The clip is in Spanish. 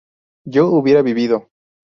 ¿yo hubiera vivido?